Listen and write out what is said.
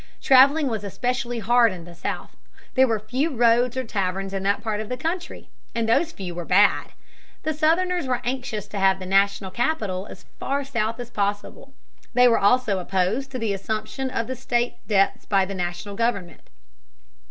Traveling was especially hard in the South. There were few roads or taverns in that part of the country, and those few were bad. The Southerners were anxious to have the national capital as far south as possible. They were also opposed to the assumption of the state debts by the national government.